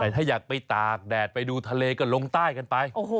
แต่ถ้าอยากไปตากแดดไปดูทะเลก็ลงใต้กันไป